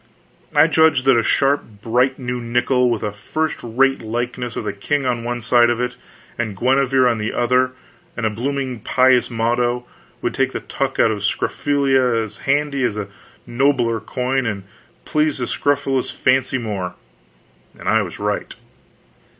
I judged that a sharp, bright new nickel, with a first rate likeness of the king on one side of it and Guenever on the other, and a blooming pious motto, would take the tuck out of scrofula as handy as a nobler coin and please the scrofulous fancy more; and I was right.